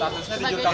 statusnya di jogja